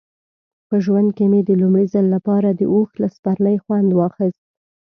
په ژوند کې مې د لومړي ځل لپاره د اوښ له سپرلۍ خوند واخیست.